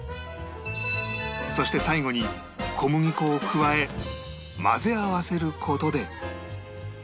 そして最後に小麦粉を加え混ぜ合わせる事で